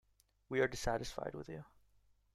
We are dissatisfied with you.